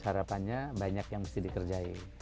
harapannya banyak yang harus dikerjai